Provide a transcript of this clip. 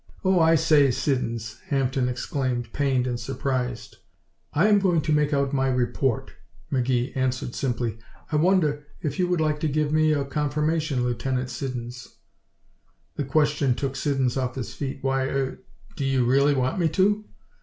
"Oh, I say, Siddons!" Hampden exclaimed, pained and surprised. "I am going to make out my report," McGee answered, simply. "I wonder if you would like to give me a confirmation, Lieutenant Siddons?" The question took Siddons off his feet. "Why er do you really want me to?"